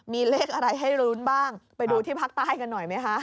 มีเลขอะไรให้ลุ้นบ้างไปดูที่ภาคใต้กันหน่อยไหมคะ